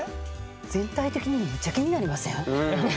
全体的にめっちゃ気になりません？